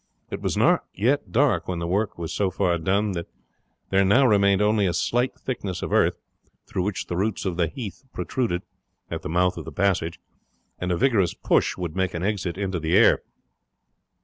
It was not yet dark when the work was so far done that there now remained only a slight thickness of earth, through which the roots of the heath protruded, at the mouth of the passage, and a vigorous push would make an exit into the air.